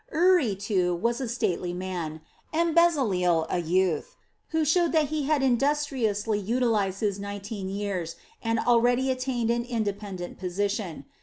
Uri, too, was a stately man, and Bezaleel a youth who showed that he had industriously utilized his nineteen years and already attained an independent position.